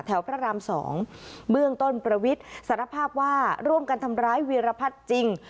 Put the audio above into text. พระราม๒เบื้องต้นประวิทย์สารภาพว่าร่วมกันทำร้ายวีรพัฒน์จริง